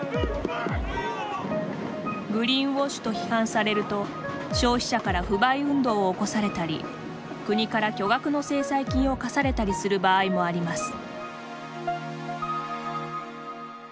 グリーンウォッシュと批判されると消費者から不買運動を起こされたり国から巨額の制裁金を課されたりする場合もあります。